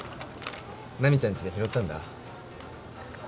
奈未ちゃんちで拾ったんだ